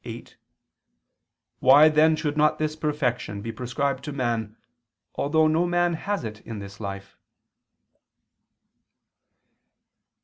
viii): "Why then should not this perfection be prescribed to man, although no man has it in this life?"